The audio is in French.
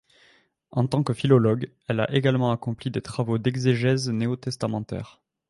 En tant que philologue, elle a également accompli des travaux d'exégèse néo-testamentaire.